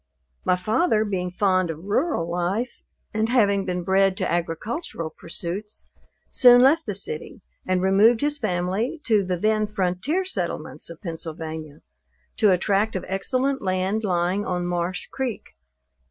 My father being fond of rural life, and having been bred to agricultural pursuits, soon left the city, and removed his family to the then frontier settlements of Pennsylvania, to a tract of excellent land lying on Marsh creek.